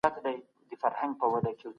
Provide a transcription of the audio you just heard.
هغه څوک چي مرسته کوي، محبوب دی.